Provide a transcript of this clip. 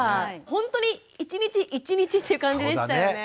本当に１日１日っていう感じでしたよね。